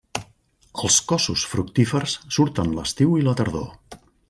Els cossos fructífers surten l'estiu i la tardor.